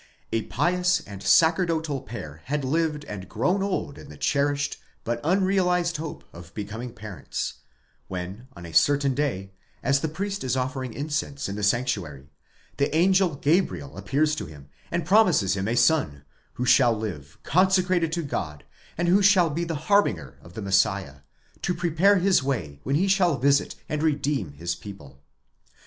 } ry pious sacerdotal pair had lived and grown old in the cherished, but unrealized hope, of becoming parents, when, on a certain day, as the priest is offering incense in the sanctuary, the angel Gabriel appears to him, and promises him a son, who shall live consecrated to God, and who shall be the harbinger of the Messiah, to prepare his way when he shall visit and redeem his people.